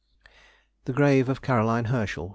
THE GRAVE OF CAROLINE HERSCHEL.